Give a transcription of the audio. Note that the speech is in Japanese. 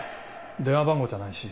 電話番号じゃないし。